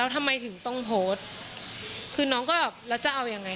ทำไมถึงต้องโพสต์คือน้องก็แบบแล้วจะเอายังไง